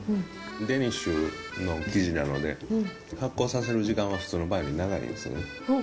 デニッシュの生地なので、発酵させる時間は、普通のパンより長いんですよね。